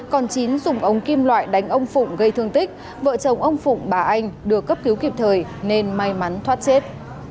còn chín dùng ống kim loại đánh ông phụng gây thương tích vợ chồng ông phụng bà anh được cấp cứu kịp thời nên may mắn thoát chết